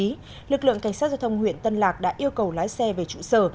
tại đây lực lượng cảnh sát giao thông huyện tân lạc đã yêu cầu lái xe về trụ sở